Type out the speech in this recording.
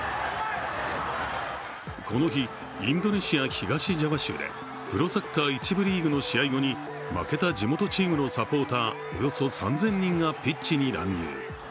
この日、インドネシア東ジャワ州でプロサッカー１部リーグの試合後に負けた地元チームのサポーター、およそ３０００人がピッチに乱入。